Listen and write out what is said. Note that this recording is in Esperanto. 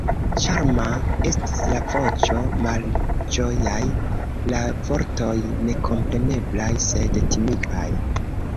Ĉarma estis la voĉo, malĝojaj la vortoj, nekompreneblaj sed timigaj.